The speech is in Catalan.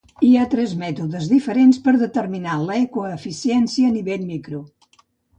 Hi ha tres mètodes diferents per determinar l'ecoeficiència a nivell micro.